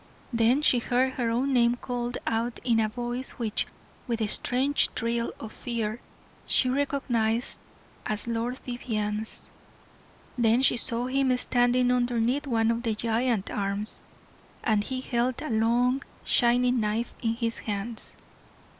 Then she heard her own name called out in a voice which, with a strange thrill of fear, she recognized as Lord Vivianne's. Then she saw him standing underneath one of the giant arms, and he held a long, shining knife in his hands.